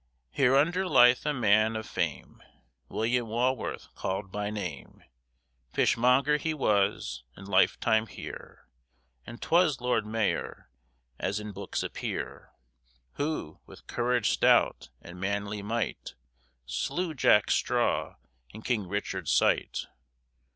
Hereunder lyth a man of Fame, William Walworth callyd by name: Fishmonger he was in lyfftime here, And twise Lord Maior, as in books appere; Who, with courage stout and manly myght, Slew Jack Straw in Kyng Richard's sight.